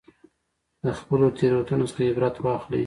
د خپلو تېروتنو څخه عبرت واخلئ.